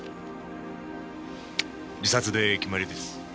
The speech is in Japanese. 自殺で決まりです。